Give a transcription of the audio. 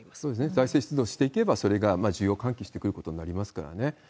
財政出動していけば、それが需要喚起してくることになりますからね。